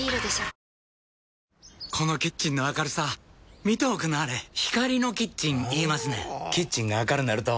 このキッチンの明るさ見ておくんなはれ光のキッチン言いますねんほぉキッチンが明るなると・・・